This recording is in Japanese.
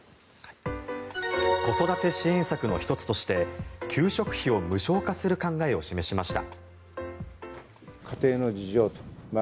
子育て支援策の１つとして給食費を無償化する考えを示しました。